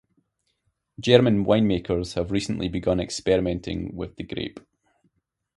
German winemakers have recently begun experimenting with the grape.